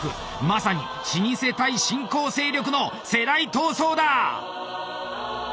まさに老舗対新興勢力の世代闘争だ！